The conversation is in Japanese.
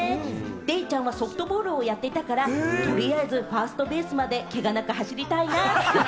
デイちゃんはソフトボールをやってたから、とりあえずファーストベースまでけがなく走りたいな。